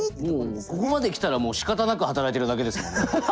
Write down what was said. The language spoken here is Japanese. もうここまで来たらしかたなく働いてるだけですもんね。